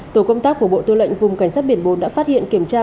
tổ công tác của bộ tư lệnh vùng cảnh sát biển bốn đã phát hiện kiểm tra